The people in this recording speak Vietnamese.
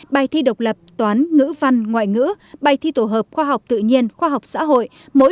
bài thi độc lập toán ngữ văn ngoại ngữ bài thi tổ hợp khoa học tự nhiên khoa học xã hội